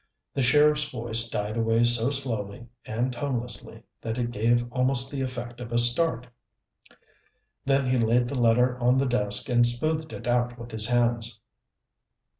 The sheriff's voice died away so slowly and tonelessly that it gave almost the effect of a start. Then he laid the letter on the desk and smoothed it out with his hands.